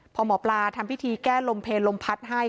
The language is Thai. พอหมอปลาทำพิธีแก้ลมเพลลมพัดให้